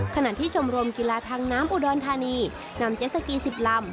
ขณะที่ชมรมกีฬาทางน้ำอุดรธานีนำเจ็ดสกี๑๐ลำ